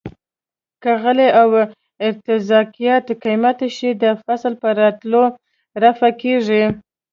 که غله او ارتزاقیات قیمته شي د فصل په راتلو رفع کیږي.